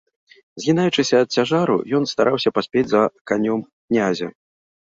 Згінаючыся ад цяжару, ён стараўся паспець за канём князя.